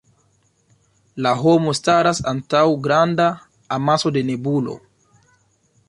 La homo staras antaŭ granda amaso da nebulo.